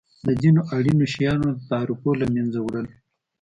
د ځینو اړینو شیانو د تعرفو له مینځه وړل.